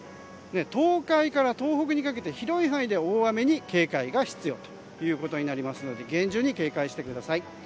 東海から東北にかけて広い範囲で大雨に警戒が必要ということになりますので厳重に警戒してください。